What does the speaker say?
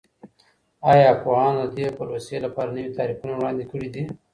ایا پوهانو د دې پروسې لپاره نوي تعریفونه وړاندې کړي دي؟